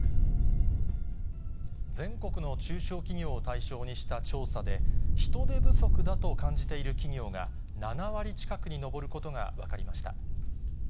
全国の中小企業を対象にした調査で、人手不足だと感じている企業が、７割近くに上ることが分かりました。